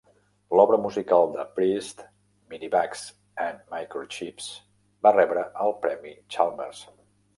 L'obra musical de Priest "Minibugs i Microchips" va rebre el premi Chalmers.